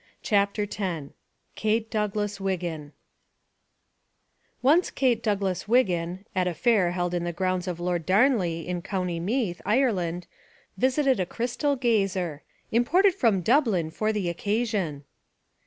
CHAPTER X KATE DOUGLAS WIGGIN ONCE Kate Douglas Wiggin, at a fair held in 'the grounds of Lord Darnley, in County Meath, Ireland, visited a crystal gazer "im ported from Dublin for the occasion."